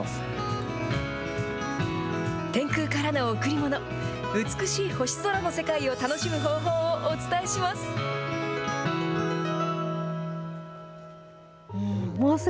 天空からの贈り物、美しい星空の世界を楽しむ方法をお伝えします。